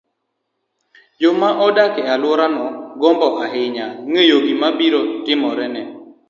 joma odak e alworano gombo ahinya ng'eyo gima biro timore ne